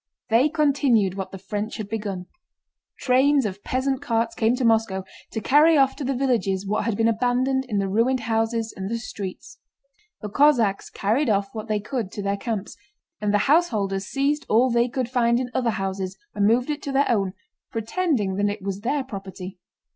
They continued what the French had begun. Trains of peasant carts came to Moscow to carry off to the villages what had been abandoned in the ruined houses and the streets. The Cossacks carried off what they could to their camps, and the householders seized all they could find in other houses and moved it to their own, pretending that it was their property.